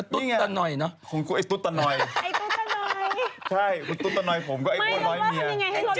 ไอ้อ้วนร้อยเมียเนอะเธอก็เลียกกลัวเม้ง